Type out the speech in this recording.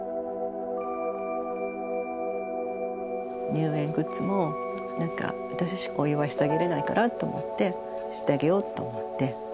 入園グッズもなんか私しかお祝いしてあげれないからと思ってしてあげようと思って。